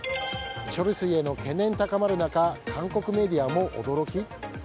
処理水への懸念高まる中韓国メディアも驚き？